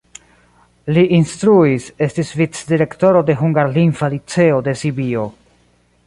Li instruis, estis vicdirektoro de hungarlingva liceo de Sibio.